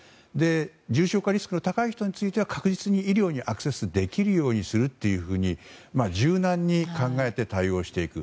重症化リスクの高い人については確実に医療にアクセスできるようにするなど柔軟に考えて対応していく。